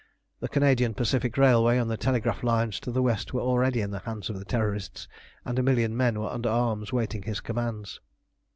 The Canadian Pacific Railway and the telegraph lines to the west were already in the hands of the Terrorists, and a million men were under arms waiting his commands.